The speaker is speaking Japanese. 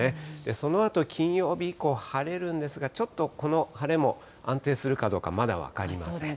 そのあと金曜日以降、晴れるんですが、ちょっとこの晴れも安定するかどうかまだ分かりません。